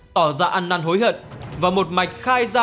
tỏ ra ăn năn hối hận và một mạch khai ra